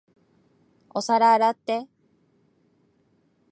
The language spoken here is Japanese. お皿洗って。